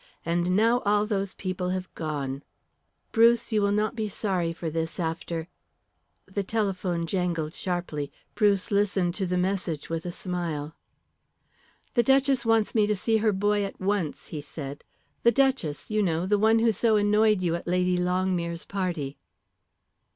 And now all those people have gone. Bruce, you will not be sorry for this after " The telephone jangled sharply. Bruce listened to the message with a smile. "The Duchess wants me to see her boy at once," he said. "The Duchess, you know; the one who so annoyed you at Lady Longmere's party."